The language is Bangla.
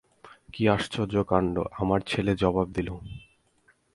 কী আশ্চর্য কাণ্ড, আমার ছেলে জবাব দিল।